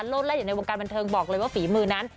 แล่นอยู่ในวงการบันเทิงบอกเลยว่าฝีมือนั้น